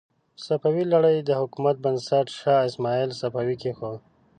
د صفوي لړۍ د حکومت بنسټ شاه اسماعیل صفوي کېښود.